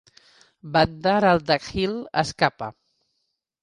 Bandar Al-Dakheel escapa.